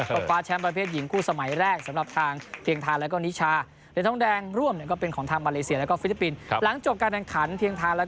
ก็คว้าแชมประเภทหญิงคู่สมัยแรกสำหรับทางเพียงทานแล้วก็นิชา